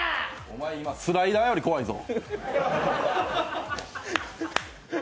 おまえ、今、スライダーより怖いぞ。